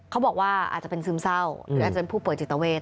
เขาบอกว่าอาจจะเป็นซึมเศร้าหรืออาจจะเป็นผู้ป่วยจิตเวท